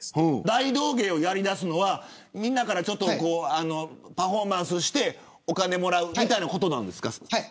大道芸を、やりだすのはパフォーマンスをしてみんなから、お金をもらうみたいなことなんですか。